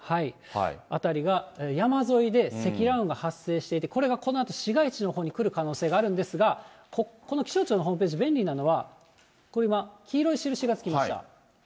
辺りは、山沿いで積乱雲が発生していて、これがこのあと、市街地のほうに来る可能性があるんですが、この気象庁のホームページ、便利なのは、これ、今、黄色い印がつきました。